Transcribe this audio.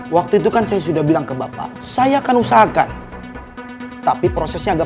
waktu itu kan saya sudah bilang ke bapak saya akan usahakan tapi prosesnya agak